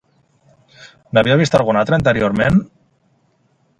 N'havia vist algun altre anteriorment?